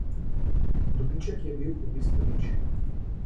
Dobiček je bil v bistvu nič.